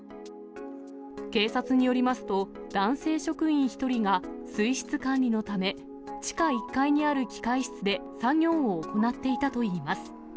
警察によりますと、男性職員１人が、水質管理のため、地下１階にある機械室で作業を行っていたといいます。